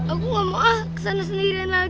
aku mau ke sana sendiri lagi